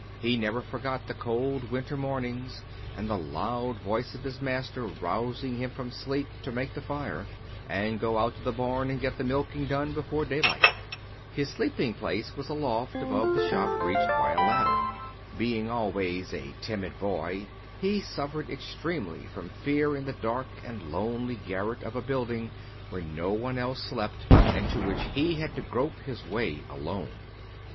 He never forgot the cold winter mornings, and the loud voice of his master rousing him from sleep to make the fire, and go out to the barn and get the milking done before daylight. His sleeping place was a loft above the shop reached by a ladder. Being always a timid boy, he suffered extremely from fear in the dark and lonely garret of a building where no one else slept, and to which he had to grope his way alone.